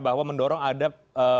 bahwa mendorong adat